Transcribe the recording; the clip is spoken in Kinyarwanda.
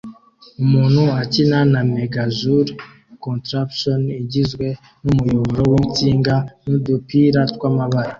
Umuntu akina na mega joule contraption igizwe numuyoboro winsinga nudupira twamabara